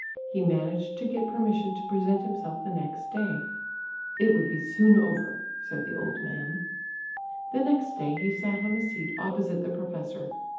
He managed to get permission to present himself the next day. "It would be soon over," said the old man. The next day he sat on a seat opposite the professor.